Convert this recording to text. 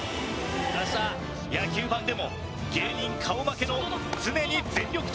野球ＢＡＮでも芸人顔負けの常に全力投球。